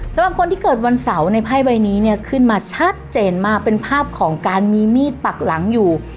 สำหรับคนที่เกิดวันเสาร์ในไพ่ใบนี้เนี่ยขึ้นมาชัดเจนมากเป็นภาพของการมีมีดปักหลังอยู่